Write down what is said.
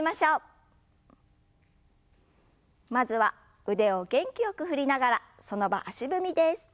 まずは腕を元気よく振りながらその場足踏みです。